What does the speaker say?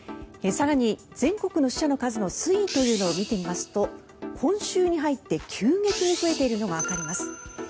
更に、全国の死者の数の推移というのを見てみますと今週に入って急激に増えているのがわかります。